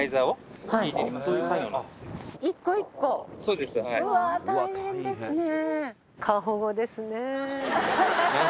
うわ大変ですね。